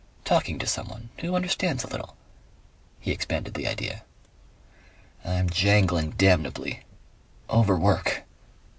"Talking to someone who understands a little," he expanded the idea. "I'm jangling damnably...overwork....."